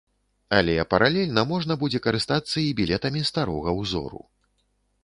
Але паралельна можна будзе карыстацца і білетамі старога ўзору.